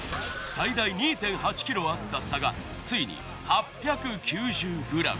最大２．８ｋｇあった差がついに８９０ｇに。